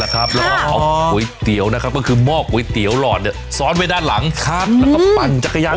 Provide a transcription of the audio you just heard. ก๋วยเตี๋ยวหลอดเนี่ยซ้อนไว้ด้านหลังครับแล้วก็ปั่นจักรยาน